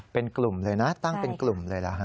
เป็นกลุ่มเลยนะตั้งเป็นกลุ่มเลยล่ะฮะ